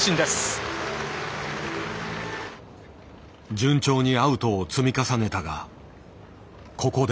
順調にアウトを積み重ねたがここで。